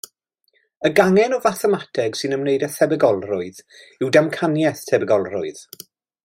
Y gangen o fathemateg sy'n ymwneud â thebygolrwydd yw damcaniaeth tebygolrwydd.